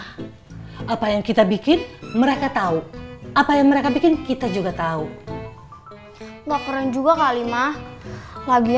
hai hai akhirnya nanti kalau udah kuliah ni